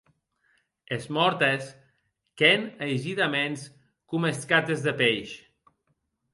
Es mòrtes quèn aisidaments coma escates de peish.